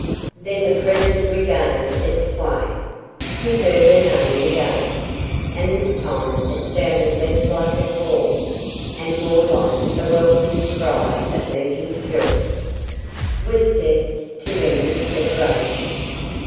Then the present regained its sway. He heard her name again, and this time it sounded less like a call and more like the welcoming cry of meeting spirits. Was death to end this separation?